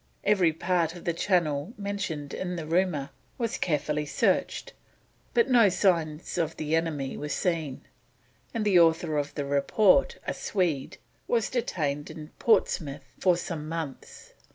Every part of the Channel mentioned in the rumour was carefully searched, but no signs of the enemy were seen, and the author of the report, a Swede, was detained in Portsmouth for some months.